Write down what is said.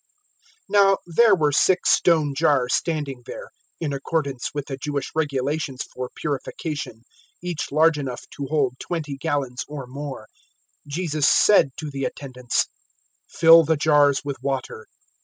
002:006 Now there were six stone jars standing there (in accordance with the Jewish regulations for purification), each large enough to hold twenty gallons or more. 002:007 Jesus said to the attendants, "Fill the jars with water."